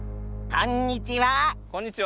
こんにちは。